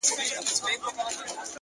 زحمت د استعداد ارزښت لوړوي,